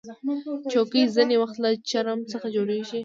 چوکۍ ځینې وخت له چرم څخه جوړیږي.